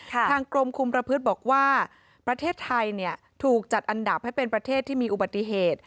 ทางกรมคุมประพฤติบอกว่าประเทศไทยถูกจัดอันดับให้เป็นประเทศที่มีอุบัติเหตุ